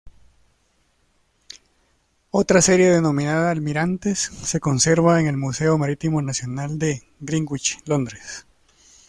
Otra serie, denominada "Almirantes", se conserva en el Museo Marítimo Nacional de Greenwich, Londres.